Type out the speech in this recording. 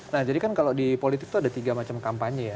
nah jadi kan kalau di politik itu ada tiga macam kampanye ya